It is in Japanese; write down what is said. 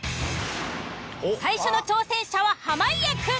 最初の挑戦者は濱家くん。